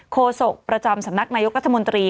โศกประจำสำนักนายกรัฐมนตรี